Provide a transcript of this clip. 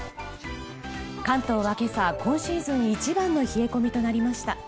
関東は今朝、今シーズン一番の冷え込みとなりました。